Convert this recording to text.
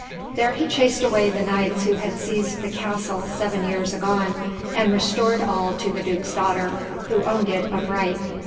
There he chased away the Knights who had seized the castle seven years agone, and restored all to the Duke's daughter, who owned it of right.